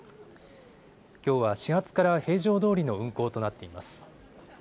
きょうは始発から平常どおりの運行となっています。